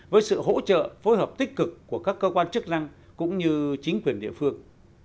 với sự hỗ trợ phối hợp tích cực của các cơ quan chức năng cũng như chính quyền địa phương